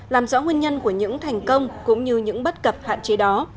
làm rõ nguyên nhân của những thành công cũng như những bất cập hạn chế đó